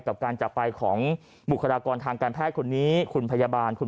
กับการจากไปของบุคลากรทางการแพทย์คนนี้คุณพยาบาลคุณ